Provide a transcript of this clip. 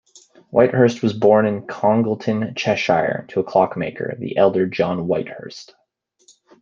Whitehurst was born in Congleton, Cheshire, to a clockmaker, the elder John Whitehurst.